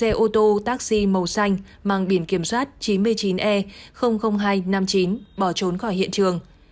xe ô tô taxi màu xanh mang biển kiểm soát chín mươi chín e hai trăm năm mươi chín bỏ trốn khỏi hiện trường